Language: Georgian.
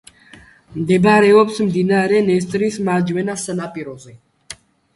მდებარეობს მდინარე დნესტრის მარჯვენა სანაპიროზე.